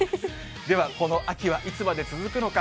では、この秋はいつまで続くのか。